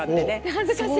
恥ずかしい。